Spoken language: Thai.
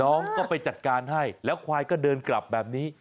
น้องก็ไปจัดการให้แล้วควายก็เดินกลับแบบนี้